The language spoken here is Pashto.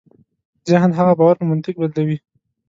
ذهن هغه باور په منطق بدلوي.